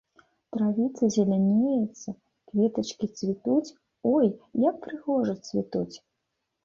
Травіца зелянеецца, кветачкі цвітуць, ой, як прыгожа цвітуць.